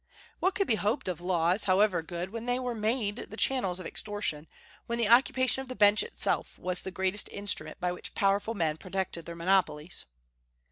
What could be hoped of laws, however good, when they were made the channels of extortion, when the occupation of the Bench itself was the great instrument by which powerful men protected their monopolies?